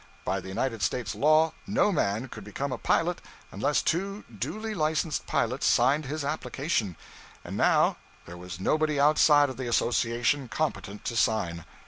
By the United States law, no man could become a pilot unless two duly licensed pilots signed his application; and now there was nobody outside of the association competent to sign.